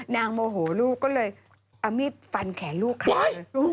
นางโมโหลูกก็เลยเอามีดฟันแขนลูกค้าเลย